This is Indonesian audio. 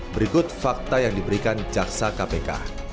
berikut fakta yang diberikan jaksa kpk